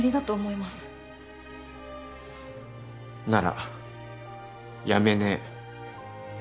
なら辞めねえ。